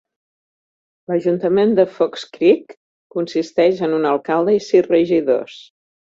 L'ajuntament de Fox Creek consisteix en un alcalde i sis regidors.